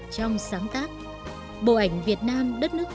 trong giới nhiếp ảnh việt nam